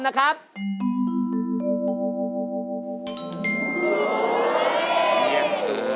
มัดใจฮะยิ้มอีกฮะ